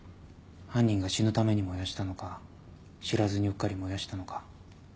犯人が死ぬために燃やしたのか知らずにうっかり燃やしたのか。